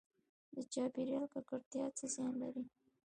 د چاپیریال ککړتیا څه زیان لري؟